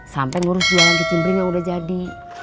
sampai ngurus jalan kicimbring yang udah jadi